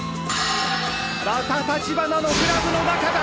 また立花のグラブの中だ！